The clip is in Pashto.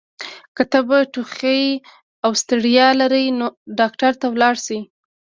که تبه، ټوخۍ او ستړیا لرئ ډاکټر ته لاړ شئ!